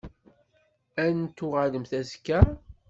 Ad n-tuɣalemt azekka?